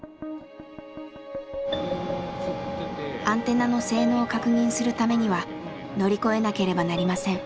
アンテナの性能を確認するためには乗り越えなければなりません。